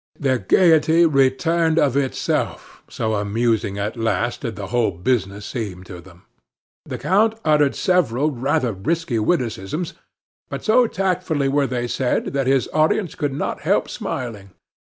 Their gaiety returned of itself, so amusing at last did the whole business seem to them. The count uttered several rather risky witticisms, but so tactfully were they said that his audience could not help smiling.